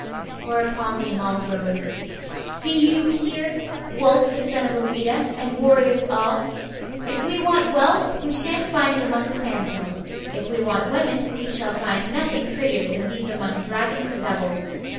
Whereupon the Amal rose. 'See you here, Wulf the son of Ovida, and warriors all! If we want wealth, we shan't find it among the sand hills. If we want women, we shall find nothing prettier than these among dragons and devils.